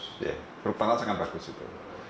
struktur tanah juga kan bagus itu